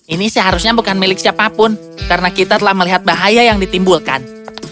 ini seharusnya bukan milik siapapun karena kita telah melihat bahaya yang ditimbulkan